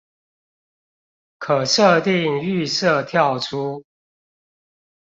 可設定預設跳出